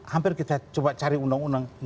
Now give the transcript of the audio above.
hampir kita coba cari undang undang